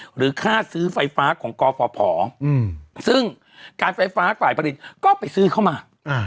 หรือค่าซื้อไฟฟ้าของกฟภซึ่งการไฟฟ้าฝ่ายผลิตก็ไปซื้อเข้ามา